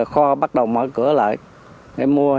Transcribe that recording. kho bắt đầu mở cửa lại để mua